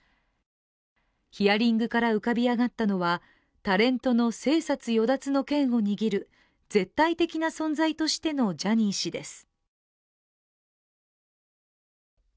ヒアリングから浮かび上がったのはタレントの生殺与奪の権を握る絶対的な存在としてのジャニー氏です。